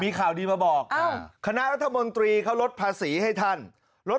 มีข่าวดีมาบอกคณะรัฐมนตรีเขาลดภาษีให้ท่านลด